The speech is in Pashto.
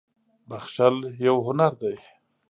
• بښل یو هنر دی.